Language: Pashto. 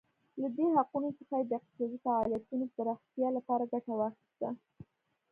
له دې حقونو څخه یې د اقتصادي فعالیتونو پراختیا لپاره ګټه واخیسته.